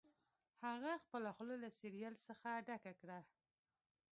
هغه خپله خوله له سیریل څخه ډکه کړه